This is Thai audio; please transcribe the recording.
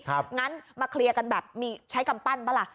งั้นมาเคลียร์กันแบบมีใช้กำปั้นป่ะล่ะ